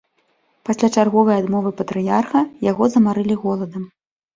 Пасля чарговай адмовы патрыярха, яго замарылі голадам.